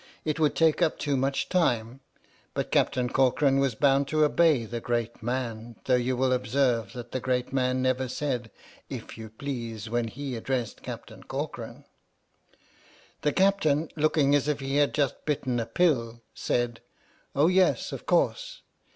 It would take up too much time. But Captain Corcoran was bound to obey the great man, though you will observe that the great man never said " if you please " when he addressed Captain Corcoran. The Captain, looking as if he had just bitten a pill, said "Oh yes, of course.